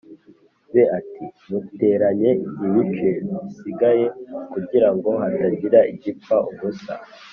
be ati muteranye ibice bisigaye kugira ngo hatagira igipfa ubusa